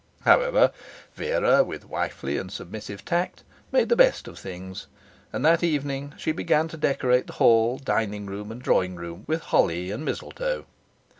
However, Vera, with wifely and submissive tact made the best of things; and that evening she began to decorate the hall, dining room, and drawing room with holly and mistletoe.